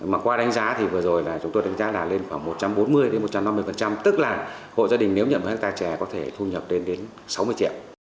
mà qua đánh giá thì vừa rồi là chúng tôi đánh giá là lên khoảng một trăm bốn mươi một trăm năm mươi tức là hộ gia đình nếu nhận một hectare trẻ có thể thu nhập lên đến sáu mươi triệu